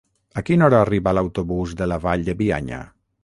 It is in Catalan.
A quina hora arriba l'autobús de la Vall de Bianya?